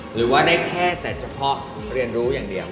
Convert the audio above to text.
หรือว่าได้แค่แต่เฉพาะเรียนรู้อย่างเดียว